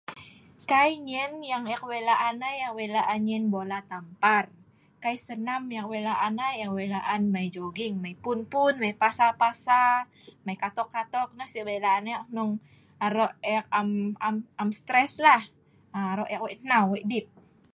Kai nyen yang eek wei laan ai wei laan nyel bola tampar kai senam yang eek wei laan ai mai joging mai' mai pun'mai pasa'-pasa'mai katok'-katok'nah si'laan eek ai hnong aro'eek am stres lah aro'eek wei nhau wei dip'.